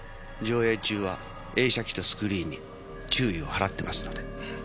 上映中は映写機とスクリーンに注意を払ってますので。